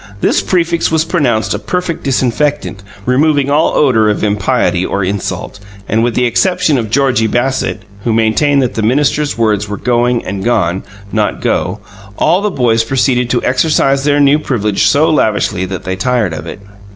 This prefix was pronounced a perfect disinfectant, removing all odour of impiety or insult; and, with the exception of Georgie Bassett (who maintained that the minister's words were "going" and "gone," not "go"), all the boys proceeded to exercise their new privilege so lavishly that they tired of it.